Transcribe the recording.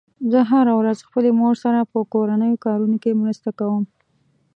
زه هره ورځ خپلې مور سره په کورنیو کارونو کې مرسته کوم